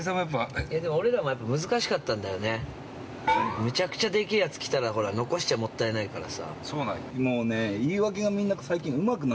めちゃくちゃでけえやつきたら残しちゃもったいないからさ。